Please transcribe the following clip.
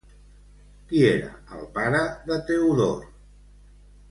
Qui era el pare de Teodor?